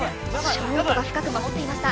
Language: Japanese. ショートが深く守っていました